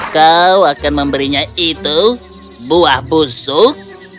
kau akan memberinya itu buah busuk